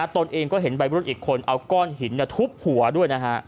ตนเองก็เห็นวัยรุ่นอีกคนเอาก้อนหินทุบหัวด้วยนะฮะ